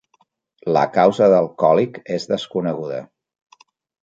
La causa del còlic és desconeguda.